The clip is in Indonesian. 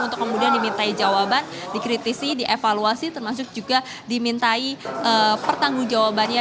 untuk kemudian dimintai jawaban dikritisi dievaluasi termasuk juga dimintai pertanggung jawabannya